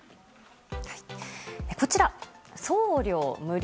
こちら、送料無料。